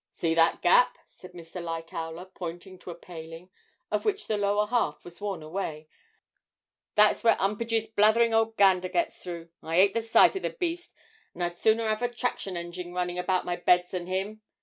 'See that gap?' said Mr. Lightowler, pointing to a paling of which the lower half was torn away; 'that's where 'Umpage's blathering old gander gets through. I 'ate the sight of the beast, and I'd sooner 'ave a traction engine running about my beds than him!